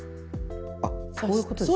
あこういうことですか？